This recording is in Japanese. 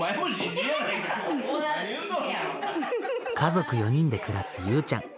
家族４人で暮らすゆうちゃん。